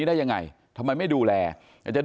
ติดกันทั้งหมดติดกันทั้งหมด